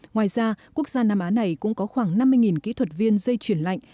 ngoài ra quốc gia nam á này cũng có khoảng năm mươi kỹ thuật viên dây chuyển lạnh